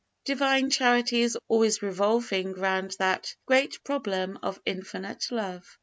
Divine Charity is always revolving round that great problem of infinite love.